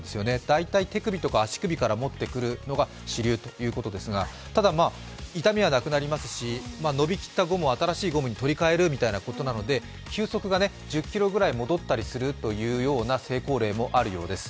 大体、手首とか足首から持ってくるのが主流ということですが、ただ痛みはなくなりますし、伸びきったゴムを新しいゴムに取り替えるみたいなことなので球速が１０キロぐらい戻ったりするというような成功例もあるようです。